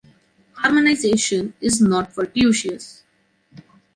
Harmonization is not fortuitous.